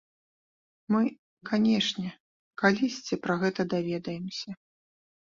Мы, канешне, калісьці пра гэта даведаемся.